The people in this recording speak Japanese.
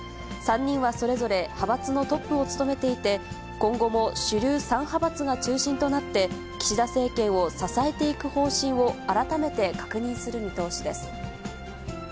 ３人はそれぞれ派閥のトップを務めていて、今後も主流３派閥が中心となって、岸田政権を支えていく方針を改めて確認する見通しです。